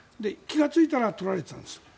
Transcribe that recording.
気がついたら取られていたんです